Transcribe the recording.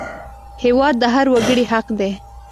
هېواد د هر وګړي حق دی